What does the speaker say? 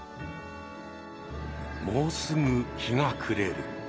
もうすぐ日が暮れる。